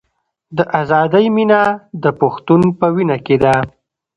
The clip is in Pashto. د ازادۍ مینه د پښتون په وینه کې ده.